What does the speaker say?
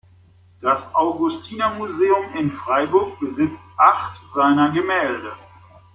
Das Augustinermuseum in Freiburg besitzt acht seiner Gemälde.